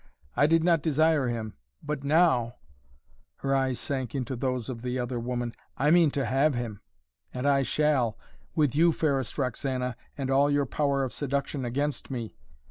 I did not desire him. But now" her eyes sank into those of the other woman, "I mean to have him, and I shall with you, fairest Roxana, and all your power of seduction against me!